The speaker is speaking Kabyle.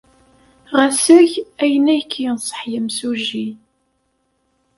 Ɣas eg akken ay k-yenṣeḥ yemsujji.